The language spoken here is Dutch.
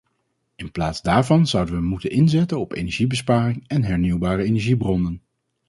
In plaats daarvan zouden we moeten inzetten op energiebesparing en hernieuwbare energiebronnen.